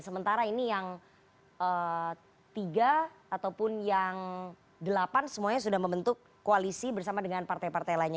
sementara ini yang tiga ataupun yang delapan semuanya sudah membentuk koalisi bersama dengan partai partai lainnya